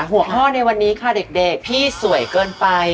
หัวข้อในวันนี้ค่ะเด็กพี่สวยเกินไป